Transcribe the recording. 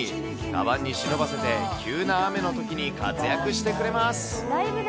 かばんに忍ばせて、急な雨のときに活躍してくれます。